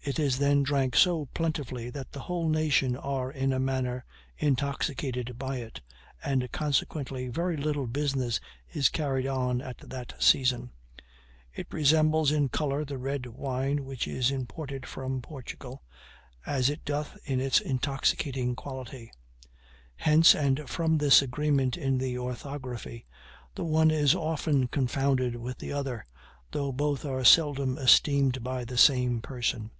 It is then drank so plentifully that the whole nation are in a manner intoxicated by it; and consequently very little business is carried on at that season. It resembles in color the red wine which is imported from Portugal, as it doth in its intoxicating quality; hence, and from this agreement in the orthography, the one is often confounded with the other, though both are seldom esteemed by the same person.